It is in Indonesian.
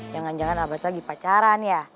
jangan jangan abah lagi pacaran ya